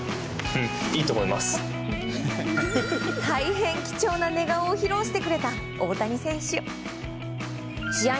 大変貴重な寝顔を披露してくれた大谷翔平。